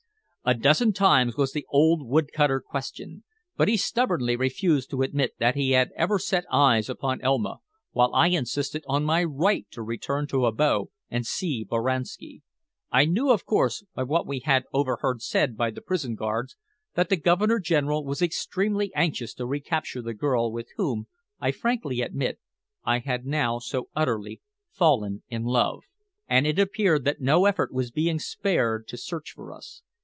A dozen times was the old wood cutter questioned, but he stubbornly refused to admit that he had ever set eyes upon Elma, while I insisted on my right to return to Abo and see Boranski. I knew, of course, by what we had overheard said by the prison guards, that the Governor General was extremely anxious to recapture the girl with whom, I frankly admit, I had now so utterly fallen in love. And it appeared that no effort was being spared to search for us.